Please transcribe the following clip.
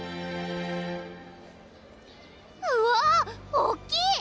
うわ大っきい！